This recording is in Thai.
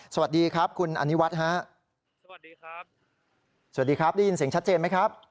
สวัสดีครับคุณอนิวัฒน์ฮะสวัสดีครับสวัสดีครับได้ยินเสียงชัดเจนไหมครับ